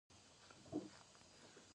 د شاکونتالا ډرامه ډیره مشهوره ده.